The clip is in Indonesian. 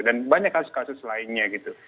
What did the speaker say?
dan banyak kasus kasus lainnya gitu